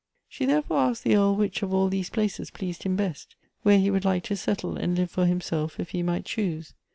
She, therefore, asked the Earl which, of all these places, pleased him best, where he would like to settle, and live for himself, if he might choose.